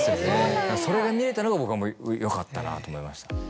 それが見れたのが僕はもうよかったなと思いました。